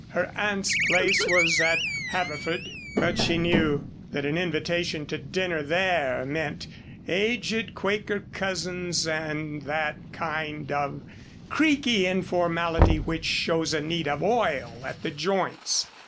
Her aunt's place was at Haverford, but she knew that an invitation to dinner there meant aged Quaker cousins and that kind of creaky informality which shows a need of oil at the joints.